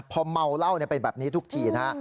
พอเมาเหล้าเป็นแบบนี้ทุกทีนะฮะ